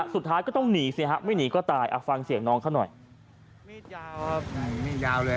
สุดท้ายก็ต้องหนีเสียฮะไม่หนีก็ตายอฟังเสียงน้องเขาน่ะ